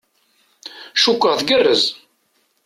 Cukkeɣ tgerrez.